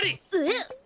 えっ？